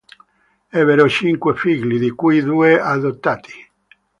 Ebbero cinque figli, di cui due adottati.